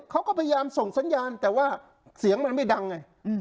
เขาก็พยายามส่งสัญญาณแต่ว่าเสียงมันไม่ดังไง